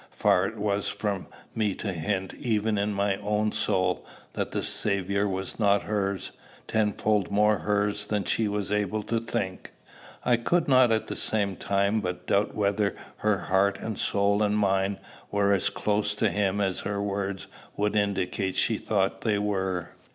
Far as it was from me to hint, even in my own soul, that the Saviour was not hers, tenfold more hers than she was able to think, I could not at the same time but doubt whether her heart and soul and mind were as close to him as her words would indicate she thought they were.